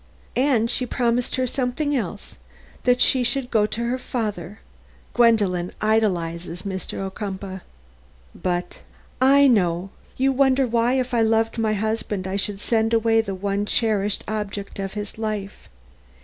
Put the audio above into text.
And she promised her something else that she should go to her father Gwendolen idolizes Mr. Ocumpaugh." "But " "I know. You wonder why, if I loved my husband, I should send away the one cherished object of his life.